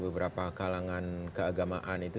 beberapa kalangan keagamaan itu